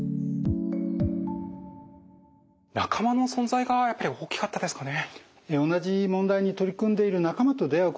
仲間の存在がやっぱり大きかったですかね？